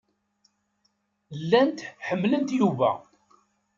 Llant ḥemmlent Yuba.